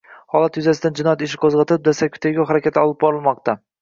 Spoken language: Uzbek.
Holat yuzasidan jinoyat ishi qo‘zg‘atilib, dastlabki tergov harakatlari olib borilmoqda